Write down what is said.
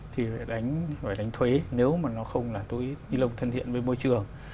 thì đánh phải đánh thuế nếu mà nó không là túi ni lông thân thiện với môi trường